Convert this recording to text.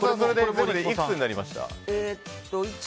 全部でいくつになりました？